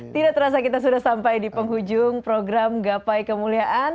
tidak terasa kita sudah sampai di penghujung program gapai kemuliaan